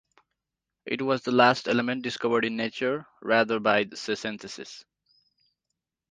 It was the last element discovered in nature, rather than by synthesis.